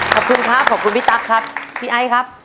ขอบคุณครับขอบคุณพี่ตั๊กครับพี่ไอ้ครับ